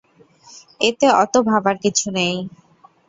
এতে অতো ভাবার কিছু নেই।